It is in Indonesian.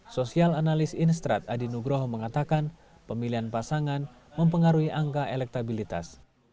sosial analis instrad adi nugroho mengatakan pemilihan pasangan mempengaruhi angka elektabilitas